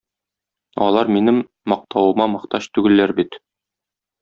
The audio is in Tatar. Алар минем мактавыма мохтаҗ түгелләр бит.